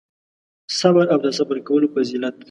صبر او د صبر کولو فضیلت